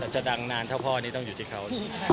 จะดังนานเท่าพ่อนี่ต้องอยู่ที่เขา